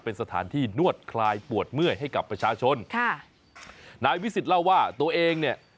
เป็นสถานที่นวดคลายปวดเมื่อยให้กับประชาชนค่ะนายวิสิตเล่าว่าตัวเองเนี่ย